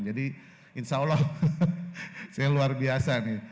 insya allah saya luar biasa nih